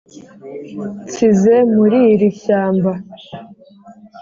nsize muri iri shyamba.